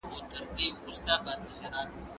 حقوق الله د الله تعالی حق دی.